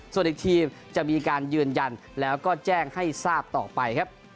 ส่วนอีกทีมจะมีการยืนยันแล้วก็แจ้งให้ทราบต่อไปครับ